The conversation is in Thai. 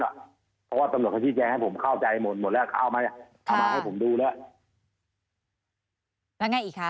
เพราะว่าตำรวจคติแจงให้ผมเข้าใจหมดหมดแล้วเขาเอาไหม